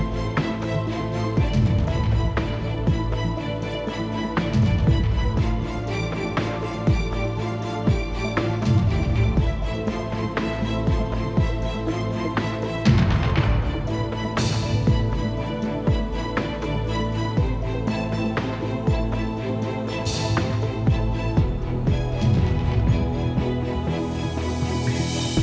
โปรดติดตามตอนต่อไป